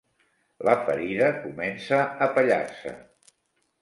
La ferida comença a pellar-se.